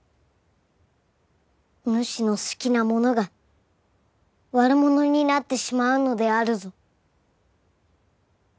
おぬしの好きな者が悪者になってしまうのであるぞ。